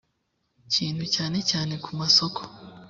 kintu cyane cyane ku masoko